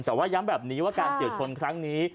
แต่ว่าย้ำแบบนี้ว่าการเฉียวชนครั้งนี้